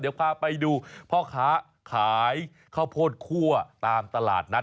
เดี๋ยวพาไปดูพ่อค้าขายข้าวโพดคั่วตามตลาดนัด